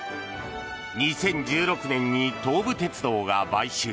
２０１６年に東武鉄道が買収。